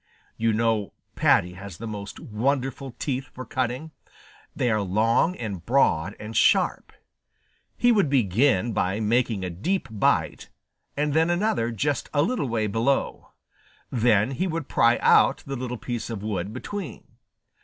You know Paddy has the most wonderful teeth for cutting. They are long and broad and sharp. He would begin by making a deep bite, and then another just a little way below. Then he would pry out the little piece of wood between.